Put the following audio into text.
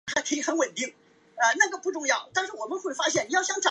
拉沙佩勒于雷埃。